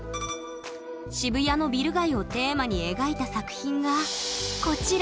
渋谷のビル街をテーマに描いた作品がこちら！